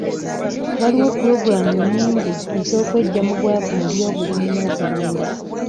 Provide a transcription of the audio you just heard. Waliwo pulogulaamu nnyingi ez'okweggya mu bwavu mu by'obulimi n'okulunda..